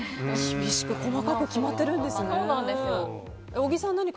厳しく細かく決まってるんですね。